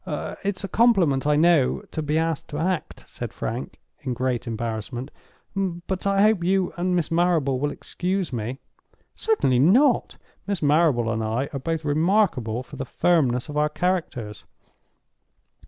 "It's a compliment, I know, to be asked to act," said Frank, in great embarrassment. "But I hope you and Miss Marrable will excuse me—" "Certainly not. Miss Marrable and I are both remarkable for the firmness of our characters.